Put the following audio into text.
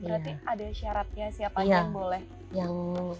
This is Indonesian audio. berarti ada syaratnya siapa yang boleh